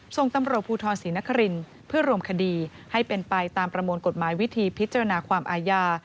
ส่งตำรวจภูทรศรีนครินทร์เพื่อรวมคดีให้เป็นไปตามประมวลกฎหมายวิธีพิจารณาความอาญา